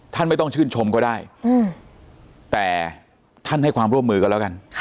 ท่านไม่ต้องชื่นชมก็ได้แต่ท่านให้ความร่วมมือกันแล้วกัน